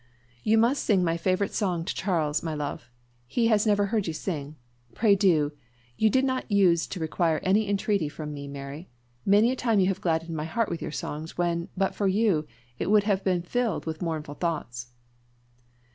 "You must sing my favourite song to Charles, my love he has never heard you sing. Pray do: you did not use to require any entreaty from me, Mary! Many a time you have gladdened my heart with your songs when, but for you, it would have been filled with mournful thoughts!"